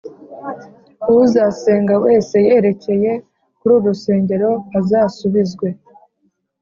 Uzasenga wese yerekeye kuri uru rusengero azasubizwe